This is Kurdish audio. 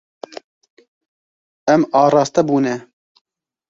Em araste bûne.